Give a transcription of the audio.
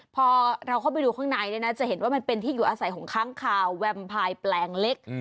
พอเราเข้าไปดูข้างในเนี่ยนะจะเห็นว่ามันเป็นที่อยู่อาศัยของค้างคาวแวมพายแปลงเล็ก